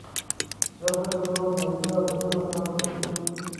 زه هڅه کوم منفي عادتونه کم کړم.